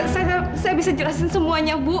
saya bisa jelasin semuanya bu